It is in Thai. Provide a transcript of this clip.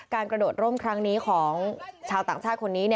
กระโดดร่มครั้งนี้ของชาวต่างชาติคนนี้